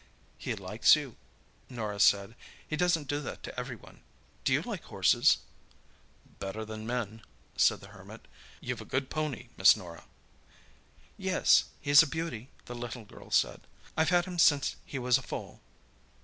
"He likes you," Norah said; "he doesn't do that to everyone. Do you like horses?" "Better than men," said the Hermit. "You've a good pony, Miss Norah." "Yes, he's a beauty," the little girl said. "I've had him since he was a foal."